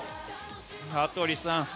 羽鳥さん